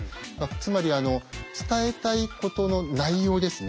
つまり伝えたいことの内容ですね